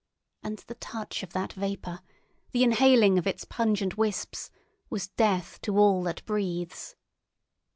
And the touch of that vapour, the inhaling of its pungent wisps, was death to all that breathes.